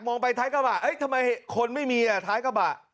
ไปท้ายกระบะทำไมคนไม่มีอ่ะท้ายกระบะ